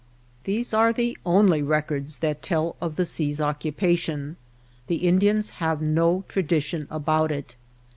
These are the only records that tell of the sea's occupation. The Indians have no tra dition about it.